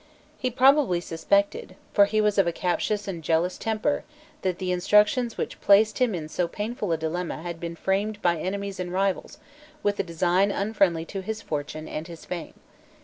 He probably suspected, for he was of a captious and jealous temper, that the instructions which placed him in so painful a dilemma had been framed by enemies and rivals with a design unfriendly to his fortune and his fame.